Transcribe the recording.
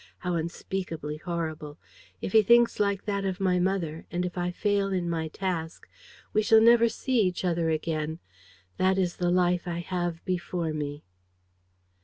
How unspeakably horrible! If he thinks like that of my mother and if I fail in my task, we shall never see each other again! That is the life I have before me.